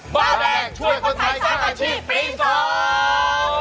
เบาแดงช่วยคนไทยสร้างอาชีพปีสอง